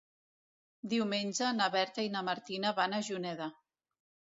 Diumenge na Berta i na Martina van a Juneda.